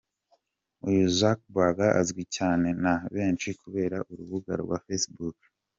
Uyu Zuckerberg azwi cyane na benshi kubera urubuga rwa Facebook.